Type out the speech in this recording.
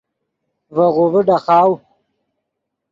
ڤے غوڤے ڈاخاؤ